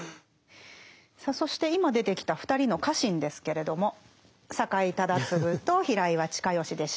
さあそして今出てきた２人の家臣ですけれども酒井忠次と平岩親吉でした。